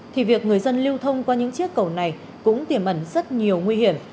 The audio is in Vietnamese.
thì việc người dân lưu thông qua những chiếc cầu này cũng tiềm ẩn rất nhiều nguy hiểm